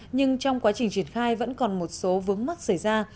nhưng trong quá trình triển khai vẫn còn một số vướng mắc xảy ra